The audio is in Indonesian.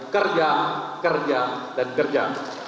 kerja kerja dan kerja